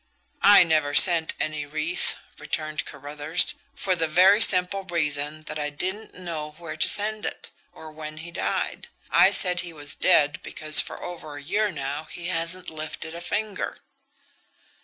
"I never sent any wreath," returned Carruthers, "for the very simple reason that I didn't know where to send it, or when he died. I said he was dead because for over a year now he hasn't lifted a finger."